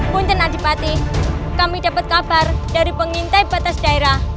punten adipati kami dapat kabar dari pengintai batas daerah